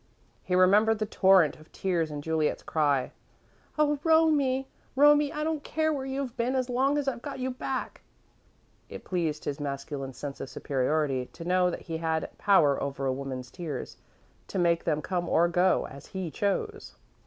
He remembered the torrent of tears and Juliet's cry: "Oh, Romie! Romie! I don't care where you've been as long as I've got you back!" It pleased his masculine sense of superiority to know that he had power over a woman's tears to make them come or go, as he chose.